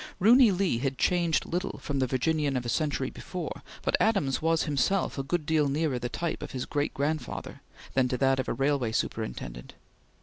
Roony Lee had changed little from the Virginian of a century before; but Adams was himself a good deal nearer the type of his great grandfather than to that of a railway superintendent.